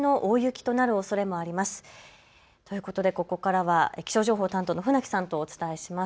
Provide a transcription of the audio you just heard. ということで、ここからは気象情報担当の船木さんとお伝えします。